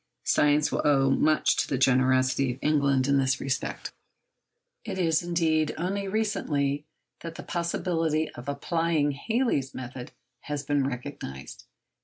Science will owe much to the generosity of England in this respect. It is, indeed, only recently that the possibility of applying Halley's method has been recognised.